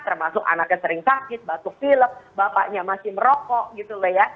termasuk anaknya sering sakit batuk pilek bapaknya masih merokok gitu loh ya